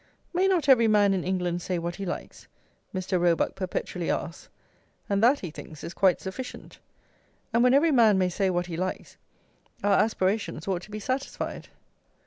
"May not every man in England say what he likes?" Mr. Roebuck perpetually asks; and that, he thinks, is quite sufficient, and when every man may say what he likes, our aspirations ought to be satisfied.